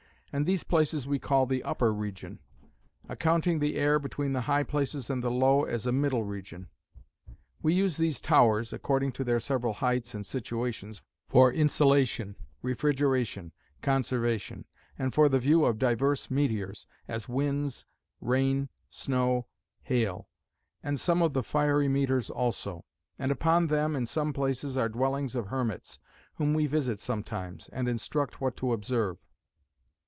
And these places we call the Upper Region; accounting the air between the high places and the low, as a Middle Region. We use these towers, according to their several heights, and situations, for insolation, refrigeration, conservation; and for the view of divers meteors; as winds, rain, snow, hail; and some of the fiery meteors also. And upon them, in some places, are dwellings of hermits, whom we visit sometimes, and instruct what to observe.